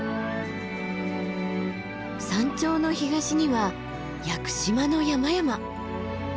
山頂の東には屋久島の山々。